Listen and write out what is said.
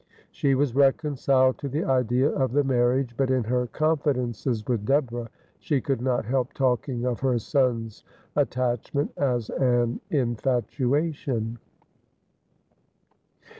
She was reconciled to the idea of the marriage, but in her confidences with Deborah, she could not help talking of her son's attachment as an infatuation.